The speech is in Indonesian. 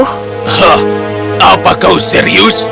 hah apa kau serius